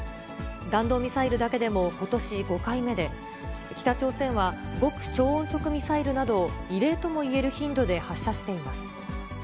弾道ミサイルだけでもことし５回目で、北朝鮮は極超音速ミサイルなどを異例とも言える頻度で発射しています。